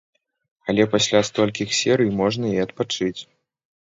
Але пасля столькіх серый можна і адпачыць.